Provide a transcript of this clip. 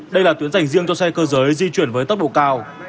đây là tuyến dành riêng cho xe cơ giới di chuyển với tốc độ cao